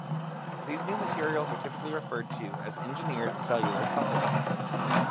These new materials are typically referred to as engineered cellular solids.